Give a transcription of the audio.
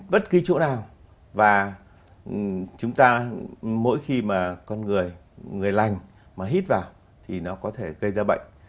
và chúng ta mỗi khi mà con người người lành mà hít vào thì nó có thể gây ra bệnh